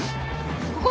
ここ？